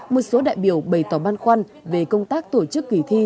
một số đại biểu bày tỏ băn khoăn về công tác tổ chức kỳ thi